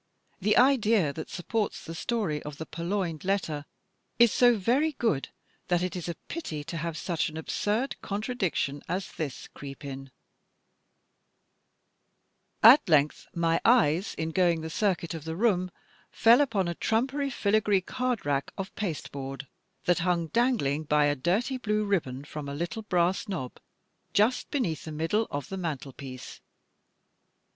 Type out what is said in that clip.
The idea that supports the story of "The Purloined Letter," is so very good that it is a pity to have such an absurd contradiction as this creep in: _^^^illjjij FALSE DEVICES • 213 "At length my eyes, in going the circuit of the room, fell upon a trumpery filigree card rack of pasteboard, that hung dangling by a dirty blue ribbon from a little brass knob just beneath the middle of the mantel piece.